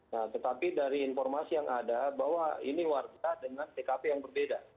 nah tetapi dari informasi yang ada bahwa ini warga dengan tkp yang berbeda